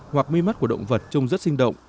hoặc mi mắt của động vật trông rất sinh động